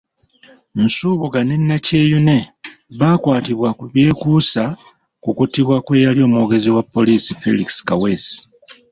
Nsubuga ne Nakyeyune baakwatibwa ku byekuusa ku kuttibwa kw'eyali omwogezi wa Poliisi Felix Kaweesi.